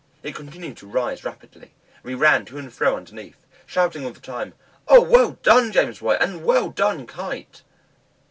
It continued to rise rapidly, and we ran to and fro underneath, shouting all the time, "O, well done, James White, and well done, Kite!"